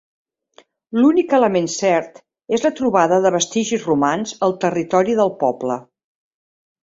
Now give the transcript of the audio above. L'únic element cert és la trobada de vestigis romans al territori del poble.